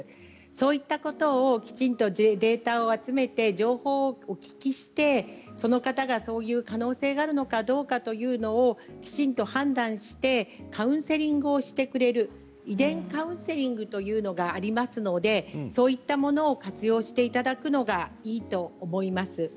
そういったことを、きちんとデータを集めて情報をお聞きしてその方がそういう可能性があるのかどうかということをきちんと判断してカウンセリングをしてくれる遺伝カウンセリングというものがありますのでそういったものを活用していただくのがいいと思います。